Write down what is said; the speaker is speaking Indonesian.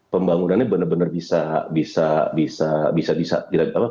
pembangunannya benar benar bisa bisa bisa bisa bisa